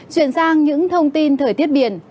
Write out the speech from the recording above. chuyển sang những thông tin thời tiết biển